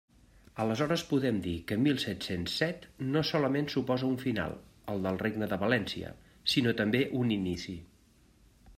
Aleshores podem dir que mil set-cents set no solament suposa un final, el del regne de València, sinó també un inici.